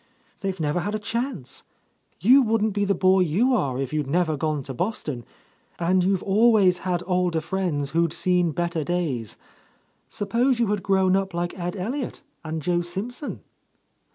They've never had a chance. You wouldn't be the boy you are if you'd never gone to Boston, — and you've always had older friends who'd seen better days. Suppose you had grown up like Ed Elliot and Joe Simpson?"